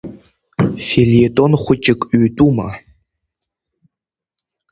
Фельетон хәыҷык ҩтәума?